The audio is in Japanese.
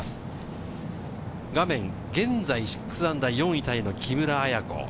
画面、現在−６、４位タイの木村彩子。